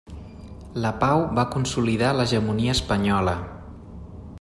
La pau va consolidar l'hegemonia espanyola.